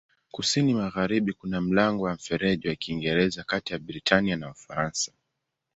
Kusini-magharibi kuna mlango wa Mfereji wa Kiingereza kati ya Britania na Ufaransa.